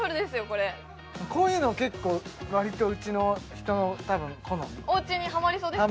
これこういうの結構割とうちの人の多分好みおうちにハマりそうですか？